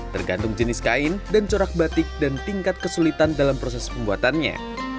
tergantung jenis kain dan corak batik dan tingkat kesulitan dalam proses pembuatannya